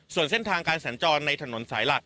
ส่วนเส้นทางการสัญจรในถนนสายหลัก